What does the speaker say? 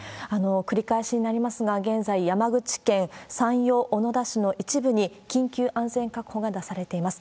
繰り返しになりますが、現在、山口県山陽小野田市の一部に緊急安全確保が出されています。